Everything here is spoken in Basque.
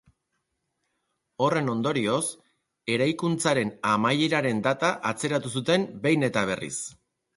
Horren ondorioz, eraikuntzaren amaieraren data atzeratu zuten behin eta berriz.